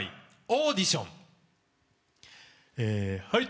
「オーディション」はい。